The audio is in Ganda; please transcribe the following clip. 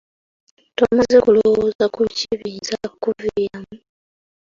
Tomaze kulowooza ku biki biyinza kukuviiramu.